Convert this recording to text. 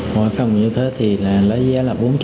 hoặc không như thế thì là lấy giá